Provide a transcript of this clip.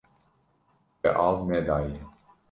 We av nedaye.